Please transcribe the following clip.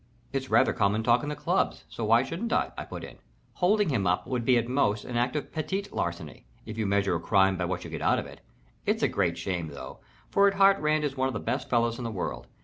"It's rather common talk in the clubs, so why shouldn't I?" I put in. "Holding him up would be at most an act of petit larceny, if you measure a crime by what you get out of it. It's a great shame, though, for at heart Rand is one of the best fellows in the world.